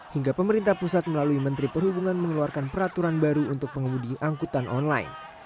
hingga pemerintah pusat melalui menteri perhubungan mengeluarkan peraturan baru untuk pengemudi angkutan online